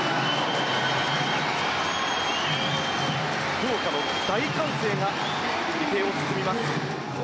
福岡の大歓声が池江を包みます。